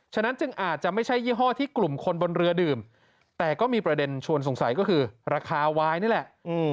ฉะนั้นจึงอาจจะไม่ใช่ยี่ห้อที่กลุ่มคนบนเรือดื่มแต่ก็มีประเด็นชวนสงสัยก็คือราคาวายนี่แหละ